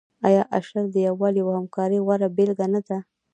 آیا اشر د یووالي او همکارۍ غوره بیلګه نه ده؟